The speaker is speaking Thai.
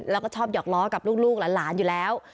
แล้วก็ชอบหยอกล้อกับลูกหลานอยู่แล้ว